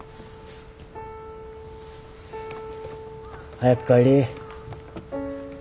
早く帰り。